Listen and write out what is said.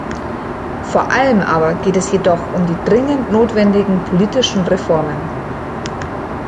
Vor allem aber geht es jedoch um die dringend notwendigen politischen Reformen.